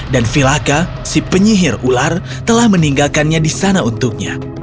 dan vilaka si penyihir ular telah meninggalkannya di sana untuknya